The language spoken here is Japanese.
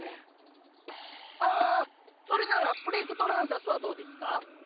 ああそれなら「プレクトランサス」はどうですか？